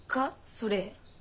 それ。